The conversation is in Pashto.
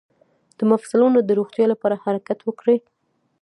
د مفصلونو د روغتیا لپاره حرکت وکړئ